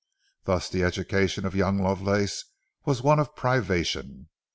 Thus the education of young Lovelace was one of privation.